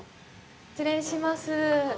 失礼します。